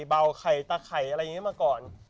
เบาไข่ตาไข่อะไรอย่างนี้มาก่อน